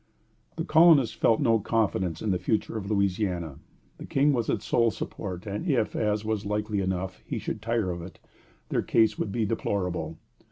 " The colonists felt no confidence in the future of Louisiana. The King was its sole support, and if, as was likely enough, he should tire of it, their case would be deplorable.